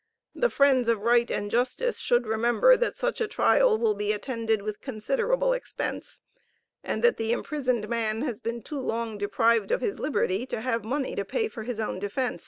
The friends of right and justice should remember that such a trial will be attended with considerable expense, and that the imprisoned man has been too long deprived of his liberty to have money to pay for his own defence.